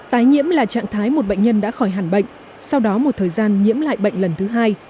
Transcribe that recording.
tái nhiễm là trạng thái một bệnh nhân đã khỏi hẳn bệnh sau đó một thời gian nhiễm lại bệnh lần thứ hai